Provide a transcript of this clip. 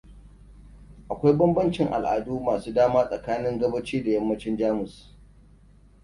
Akwai banbancin al'adu masu dama tsakanin gabaci da yammacin Jamus.